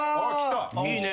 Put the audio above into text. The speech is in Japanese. いいね。